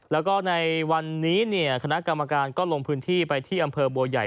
แล้วก็ในวันนี้คณะกรรมการก็ลงพื้นที่ไปที่อำเภอบัวใหญ่